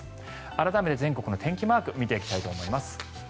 改めて全国の天気マークを見ていきたいと思います。